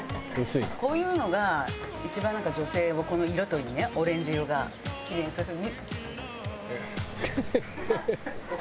こういうのが一番女性をこの色といいねオレンジ色がキレイにさせる。